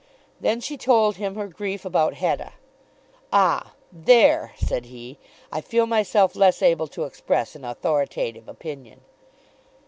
Then she told him her grief about Hetta. "Ah, there," said he, "I feel myself less able to express an authoritative opinion."